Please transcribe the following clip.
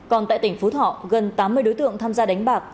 còn tại tỉnh phú thọ gần tám mươi đối tượng tham gia đánh bạc